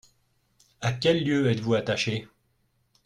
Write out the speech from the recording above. À quel lieu êtes-vous attaché ?